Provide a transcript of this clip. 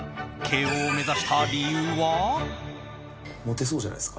慶應を目指した理由は。